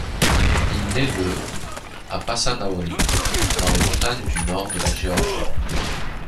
Il nait le à Passanaouri, dans les montagnes du Nord de la Géorgie.